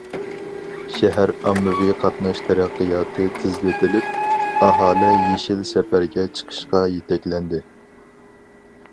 شەھەر ئاممىۋى قاتناش تەرەققىياتى تېزلىتىلىپ، ئاھالە« يېشىل» سەپەرگە چىقىشقا يېتەكلەندى.